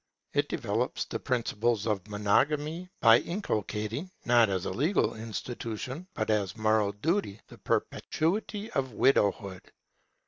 It develops the principle of monogamy, by inculcating, not as a legal institution, but as moral duty, the perpetuity of widowhood.